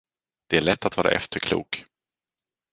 Det är lätt att vara efterklok.